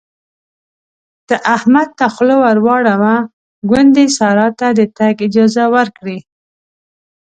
ته احمد ته خوله ور واړوه ګوندې سارا ته د تګ اجازه ورکړي.